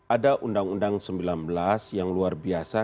ada undang undang sembilan belas yang luar biasa